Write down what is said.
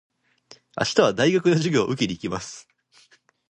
明日は大学の授業を受けに行きます。